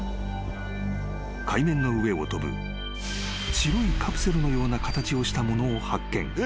［海面の上を飛ぶ白いカプセルのような形をしたものを発見］